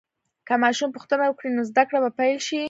که ماشوم پوښتنه وکړي، نو زده کړه به پیل شي.